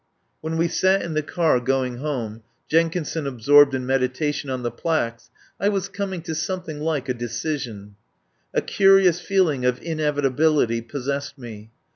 When we sat in the car going home, Jen kinson absorbed in meditation on the plaques, I was coming to something like a decision. A curious feeling of inevitability possessed me.